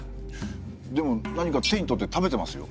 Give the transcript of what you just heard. でも何か手に取って食べてますよ。